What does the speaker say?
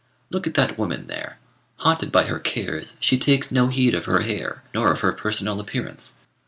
Look at that woman there. Haunted by her cares, she takes no heed of her hair, nor of her personal appearance.